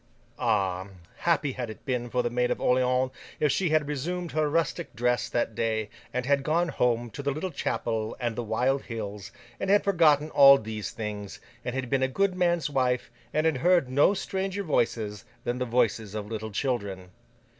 Ah! happy had it been for the Maid of Orleans, if she had resumed her rustic dress that day, and had gone home to the little chapel and the wild hills, and had forgotten all these things, and had been a good man's wife, and had heard no stranger voices than the voices of little children!